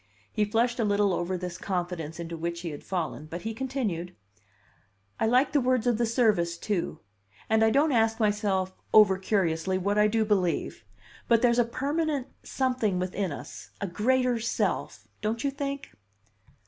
He flushed a little over this confidence into which he had fallen, but he continued: "I like the words of the service, too, and I don't ask myself over curiously what I do believe; but there's a permanent something within us a Greater Self don't you think?"